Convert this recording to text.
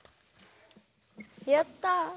やったぁ。